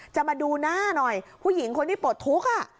จะมาดูหน้าหน่อยผู้หญิงคนที่ปลดทุกข์